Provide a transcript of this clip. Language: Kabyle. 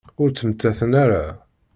Ur ttmettaten ara.